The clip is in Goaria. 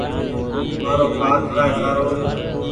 مآرو ڪآرڊ ٺرآئي سارو۔